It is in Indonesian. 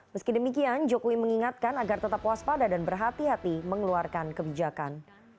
meski demikian jokowi mengingatkan agar tetap waspada dan berhati hati mengeluarkan kebijakan